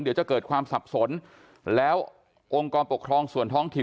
เดี๋ยวจะเกิดความสับสนแล้วองค์กรปกครองส่วนท้องถิ่น